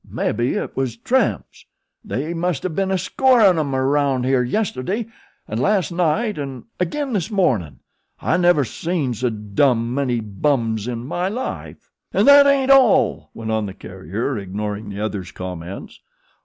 "Mebby it was tramps. They must a ben a score on 'em round here yesterday and las' night an' agin this mornin'. I never seed so dum many bums in my life." "An' thet ain't all," went on the carrier, ignoring the other's comments.